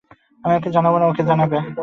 আমি ওঁকে জানব না তো কে জানবে?